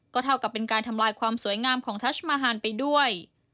เท่ากับเป็นการทำลายความสวยงามของทัชมาฮานไปด้วย